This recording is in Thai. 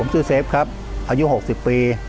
ชื่อเซฟครับอายุ๖๐ปี